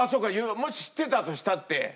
もし知ってたとしたって？